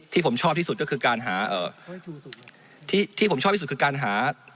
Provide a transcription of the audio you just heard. ที่ผมชอบที่สุดก็คือการหาที่ผมชอบที่สุดคือการหา